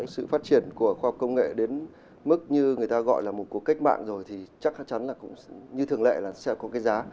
sự phát triển của khoa học công nghệ đến mức như người ta gọi là một cuộc cách mạng rồi thì chắc chắn là cũng như thường lệ là sẽ có cái giá